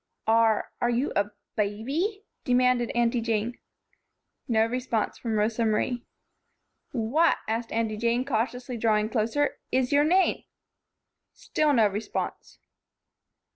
"Are are you a baby?" demanded Aunty Jane. No response from Rosa Marie. "What," asked Aunty Jane, cautiously drawing closer, "is your name?" Still no response.